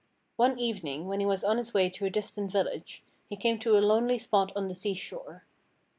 One evening, when he was on his way to a distant village, he came to a lonely spot on the seashore.